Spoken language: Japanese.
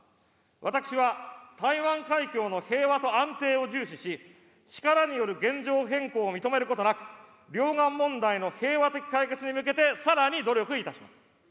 私は台湾海峡の平和と安定を重視し、力による現状変更を認めることなく、両岸問題の平和的解決に向けてさらに努力いたします。